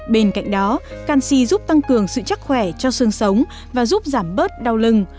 bên cạnh đó canxi giúp tăng cường sự chắc khỏe cho xương sống và giúp giảm bớt đau lưng